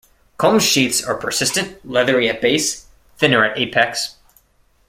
Culm sheaths are persistent, leathery at base, thinner at apex.